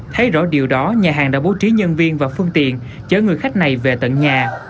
thấy rõ điều đó nhà hàng đã bố trí nhân viên và phương tiện chở người khách này về tận nhà